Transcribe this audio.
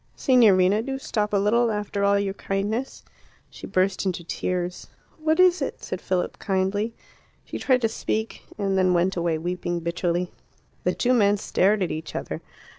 "Signorina, do stop a little after all your kindness." She burst into tears. "What is it?" said Philip kindly. She tried to speak, and then went away weeping bitterly. The two men stared at each other.